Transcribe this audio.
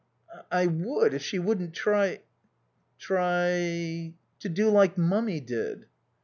"I I would, if she wouldn't try " "Try?" "To do like Mummy did."